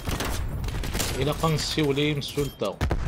Ilaq ad nessiwel i yimsulta.